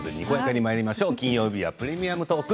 金曜日は「プレミアムトーク」。